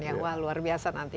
ya wah luar biasa nanti